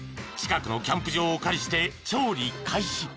［近くのキャンプ場をお借りして調理開始］